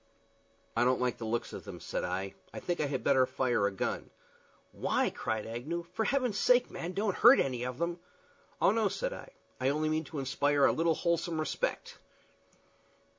"I don't like the looks of them," said I. "I think I had better fire a gun." "Why?" cried Agnew. "For Heaven's sake, man, don't hurt any of them!" "Oh no," said I; "I only mean to inspire a little wholesome respect."